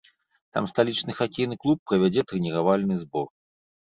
Там сталічны хакейны клуб правядзе трэніравальны збор.